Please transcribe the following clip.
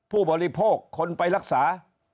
ผู้บริโภคคนไปรักษา